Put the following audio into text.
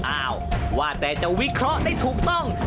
อ้าวว่าแต่จะวิเคราะห์ได้ถูกต้อง